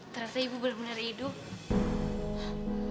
terasa ibu benar benar hidup